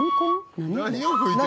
何を吹いてる？